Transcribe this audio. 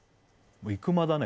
もういく間だね